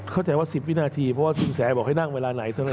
เข้าใจว่า๑๐วินาทีเพราะว่าศึกแสแบบให้นั่งเวลาไหน